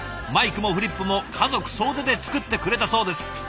マイクもフリップも家族総出で作ってくれたそうです。